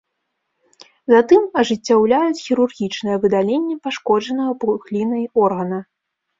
Затым ажыццяўляюць хірургічнае выдаленне пашкоджанага пухлінай органа.